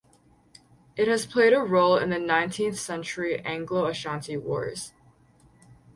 It has played a role in the nineteenth century Anglo-Ashanti Wars.